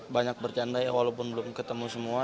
banyak bercanda ya walaupun belum ketemu semua